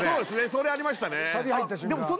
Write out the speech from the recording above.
それありましたね